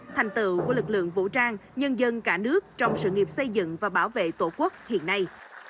thành tựu của lực lượng vũ trang nhân dân cả nước trong sự nghiệp xây dựng và bảo vệ tổ quốc hiện nay